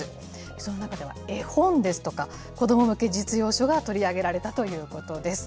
その中では絵本ですとか、子ども向け実用書が取り上げられたということです。